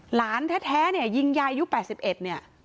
หลานแท้เนี่ยยิงยายอายุ๘๑เนี่ย